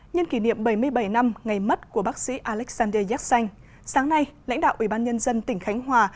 nhân kỷ niệm bảy mươi bảy năm ngày mất của bác sĩ alexander yatsen sáng nay lãnh đạo ủy ban nhân dân tỉnh khánh hòa